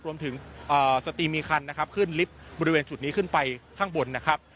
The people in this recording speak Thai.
รวมถึงสตรีมีคันนะครับขึ้นลิฟต์บริเวณจุดนี้ขึ้นไปข้างบนนะครับ